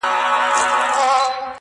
• کلي نوې څېره خپلوي ورو,